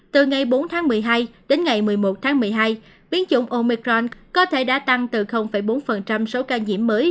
từ ngày bốn tháng một mươi hai đến ngày một mươi một tháng một mươi hai biến chủng omicron có thể đã tăng từ bốn số ca nhiễm mới